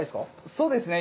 そうですね。